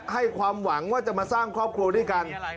ให้ความหวังว่าจะมาสร้างครอบครัวด้วยกัน